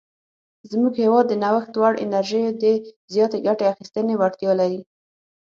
زموږ هیواد د نوښت وړ انرژیو د زیاتې ګټې اخیستنې وړتیا لري.